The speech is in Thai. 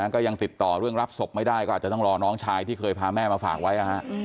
ก็ยังติดต่อเรื่องรับศพไม่ได้ก็อาจจะต้องรอน้องชายที่เคยพาแม่มาฝากไว้